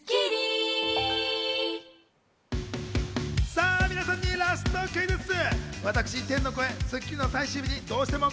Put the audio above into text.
さぁ、皆さんにラストクイズッス！